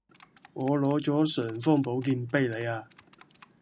我攞咗尚方寶劍畀你呀